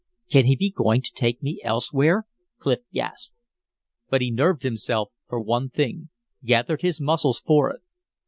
"Can he be going to take me elsewhere?" Clif gasped. But he nerved himself for one thing; gathered his muscles for it.